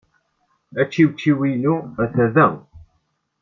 Ačiwčiw-inu hata da.